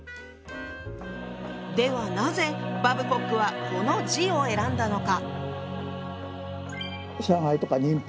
ではなぜバブコックはこの字を選んだのか？